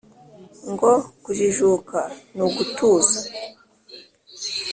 ngo kujijuka ni ugutuza,